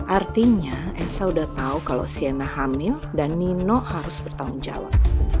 artinya esa sudah tahu kalau sienna hamil dan nino harus bertanggung jawab